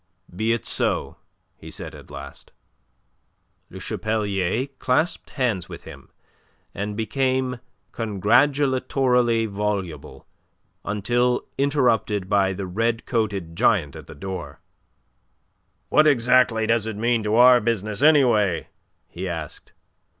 "Be it so," he said at last. Le Chapelier clasped hands with him and became congratulatorily voluble, until interrupted by the red coated giant at the door. "What exactly does it mean to our business, anyway?" he asked.